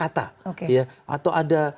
atau ada kata kata